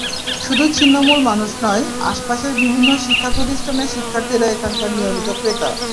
শুধু ছিন্নমূল মানুষ নয়, আশপাশের বিভিন্ন শিক্ষাপ্রতিষ্ঠানের শিক্ষার্থীরা এখানকার নিয়মিত ক্রেতা।